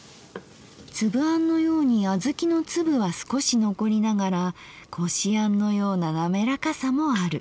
「つぶあん」のようにあずきの粒は少し残りながら「こしあん」のような滑らかさもある。